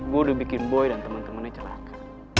gue udah bikin boy dan temen temennya celaka